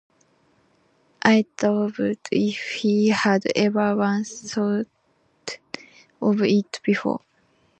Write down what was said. I doubt if he had ever once thought of it before.